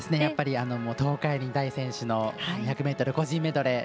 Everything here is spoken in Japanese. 東海林大選手の２００ｍ個人メドレー。